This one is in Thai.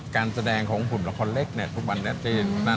การแสดงของหุ่นละครเล็กทุกวันนี้จีน